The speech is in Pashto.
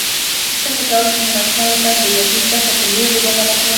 څنګه کولی شم د ماشومانو لپاره د ریاضي زدکړه په لوبو بدله کړم